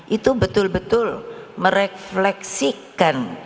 itu betul betul merefleksikan